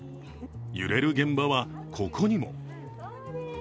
揺れる現場はここにも。